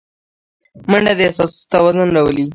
منډه د احساساتو توازن راولي